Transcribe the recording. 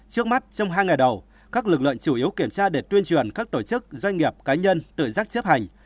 trước mắt trong hai ngày đầu các lực lượng chủ yếu kiểm tra để tuyên truyền các tổ chức doanh nghiệp cá nhân tự giác chấp hành